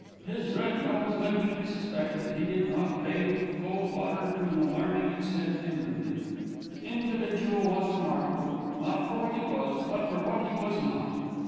His red nose led me to suspect that he did not bathe with cold water to an alarming extent inwardly. The individual was remarkable, not for what he was, but for what he was not.